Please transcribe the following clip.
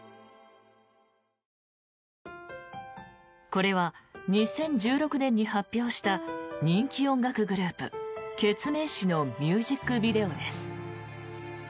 これは２０１６年に発表した人気音楽グループ、ケツメイシのミュージックビデオです。